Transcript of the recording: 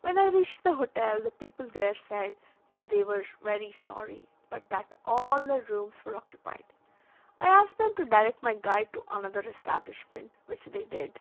When I reached the hotel, the people there said that they were very sorry, but that all their rooms were occupied. I asked them to direct my guide to another establishment, which they did.